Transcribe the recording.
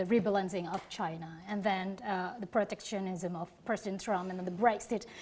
melihat dari saat saya terima pemberian terakhir